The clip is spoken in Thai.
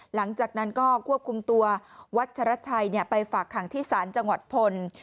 หลังจากนั้นก็ควบคุมตัววัชรชัยไปฝากขังที่ศาลจังหวัดพล